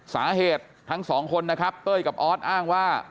สาเหตุทั้งสองคนนะครับเต้ยกับออสอ้างว่า